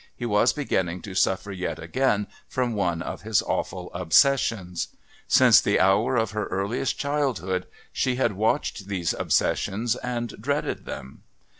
He was beginning to suffer yet again from one of his awful obsessions. Since the hour of her earliest childhood she had watched these obsessions and dreaded them.